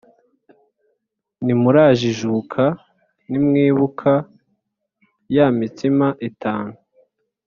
Ntimurajijuka ntimwibuka ya mitsima itanu